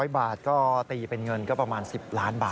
๐บาทก็ตีเป็นเงินก็ประมาณ๑๐ล้านบาท